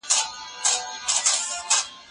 د غوسې شدت او شمېر باید د متخصص له خوا تعقیب شي.